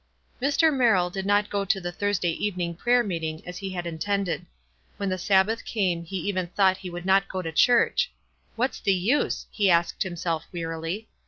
Mr. Merrill did Dot go to the Thursday evening prayer meeting as he had intended. When the Sabbath came he even thought he would not go to church. What's the use? h asked himself, wearily.